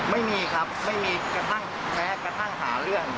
ไม่มีครับไม่มีกระทั่งแม้กระทั่งหาเรื่อง